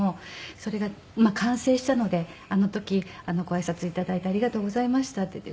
それが完成したので「あの時ご挨拶頂いてありがとうございました」っていって。